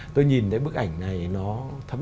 tôi nhìn thấy bức ảnh này nó thật